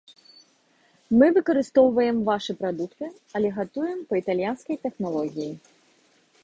Мы выкарыстоўваем вашы прадукты, але гатуем па італьянскай тэхналогіі.